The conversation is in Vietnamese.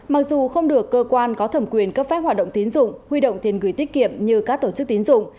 mặc dù không được cơ quan có thẩm quyền cấp phép hoạt động tín dụng huy động tiền gửi tiết kiệm như các tổ chức tín dụng